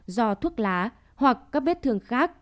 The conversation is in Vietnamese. do thuốc lá hoặc các vết thương khác